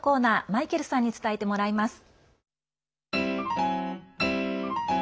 マイケルさんに伝えてもらいます。